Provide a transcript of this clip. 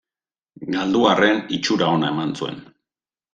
Galdu arren, itxura ona eman zuen.